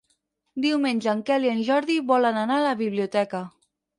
Diumenge en Quel i en Jordi volen anar a la biblioteca.